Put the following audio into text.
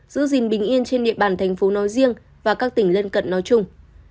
giữ gìn bình yên trên địa bàn thành phố nói riêng và các tỉnh lân cận nói chung